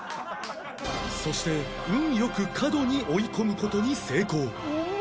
そして運良く角に追い込む事に成功